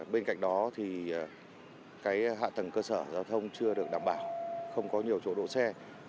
bên cạnh đó hạ tầng cơ sở giao thông chưa được đảm bảo không có nhiều chỗ đổ xe